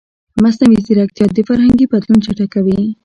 مصنوعي ځیرکتیا د فرهنګي بدلون چټکوي.